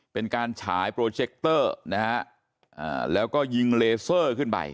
เป็นการฉายโปรเจคเตอร์นะฮะแล้วก็ยิงเลเซอร์ขึ้นไป